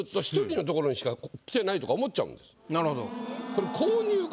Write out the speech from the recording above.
これ。